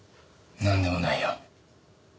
なんでもないよ。